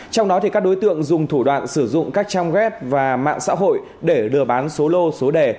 trong đó các đối tượng dùng thủ đoạn sử dụng các trang web và mạng xã hội để lừa bán số lô số đề